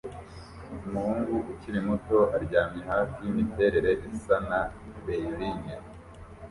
Umuhungu ukiri muto aryamye hafi yimiterere isa na baleine